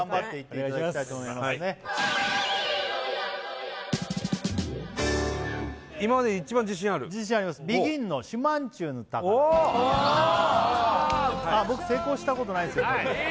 おお僕成功したことないですけどね